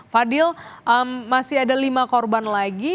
fadil masih ada lima korban lagi